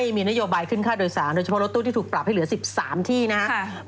มีนโยบายขึ้นค่าโดยสารโดยเฉพาะรถตู้ที่ถูกปรับให้เหลือ๑๓ที่นะครับ